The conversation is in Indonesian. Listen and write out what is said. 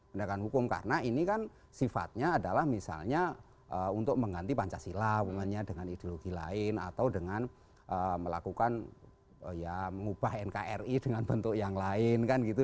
pendekatan hukum karena ini kan sifatnya adalah misalnya untuk mengganti pancasila dengan ideologi lain atau dengan melakukan ya mengubah nkri dengan bentuk yang lain kan gitu